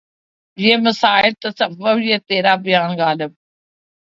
یہ مسائل تصوف یہ ترا بیان غالبؔ